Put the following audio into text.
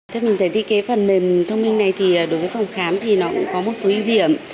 thế mình thấy thi kế phần mềm thông minh này thì đối với phòng khám thì nó cũng có một số ưu điểm